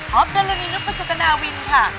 ฮอบเจ้าละนีนุปสุกรณาวินค่ะ